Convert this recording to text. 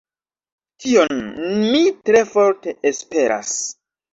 Tion mi tre forte esperas.